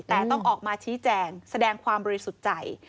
แต่ต้องออกมาชี้แจงแสดงความบริสุทธิ์ใจ